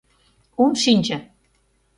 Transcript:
— Ом шинче.